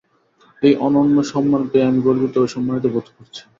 এই অনন্য সম্মান পেয়ে আমি গর্বিত ও সম্মানিত বোধ করছি।